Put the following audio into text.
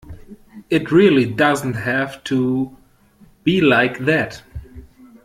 It really doesn't have to be like that